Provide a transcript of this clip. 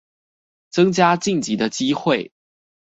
增加晉級的機會